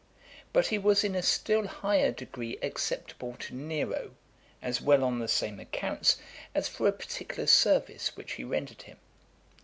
But he was in a still higher degree acceptable to Nero, as well on the same accounts, as for a particular service which he rendered him.